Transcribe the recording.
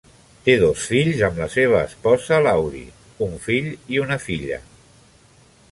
Té dos fills amb la seva esposa Laurie: un fill i una filla.